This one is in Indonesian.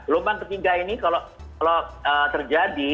gelombang ketiga ini kalau terjadi